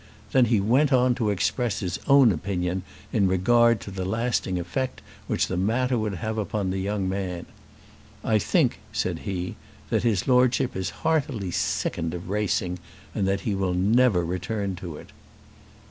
Then he went on to express his own opinion in regard to the lasting effect which the matter would have upon the young man. "I think," said he, "that his Lordship is heartily sickened of racing, and that he will never return to it."